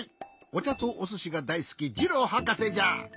おちゃとおすしがだいすきジローはかせじゃ。